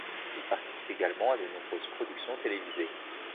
Il participe également à de nombreuses productions télévisées.